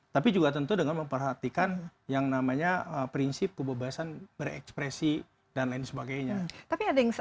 tapi juga tentu dengan memperhatikan yang namanya prinsip kebebasan berekspresi dan lain sebagainya